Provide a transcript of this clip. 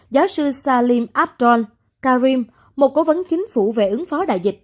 giáo sư salim abdul karim một cố vấn chính phủ về ứng phó đại dịch